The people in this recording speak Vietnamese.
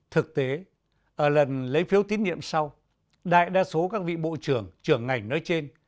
thực tế ở lần lấy phiếu tín nhiệm sau đại đa số các vị bộ trưởng trưởng ngành nói trên